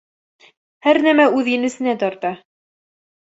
Һәр нәмә үҙ енесенә тарта.